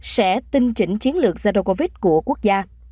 sẽ tinh chỉnh chiến lược sars cov hai của quốc gia